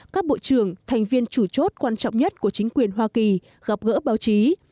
các bộ trưởng thành viên chủ chốt quan trọng nhất của chính quyền hoa kỳ gặp gỡ báo chí